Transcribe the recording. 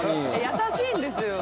優しいんですよ。